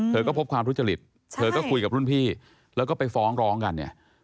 เธอก็พบความทุจริตเธอก็คุยกับรุ่นพี่แล้วก็ไปฟ้องร้องกันเนี่ย